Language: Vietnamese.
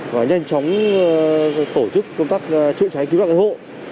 và nhanh chóng tổ chức công tác chữa cháy ký vắc hộ